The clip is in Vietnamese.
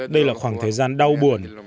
đây là khoảng thời gian đau buồn